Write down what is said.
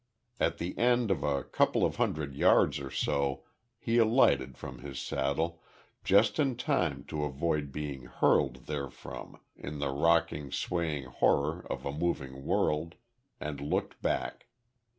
At the end of a couple of hundred yards or so he alighted from his saddle just in time to avoid being hurled therefrom in the rocking swaying horror of a moving world, and looked back.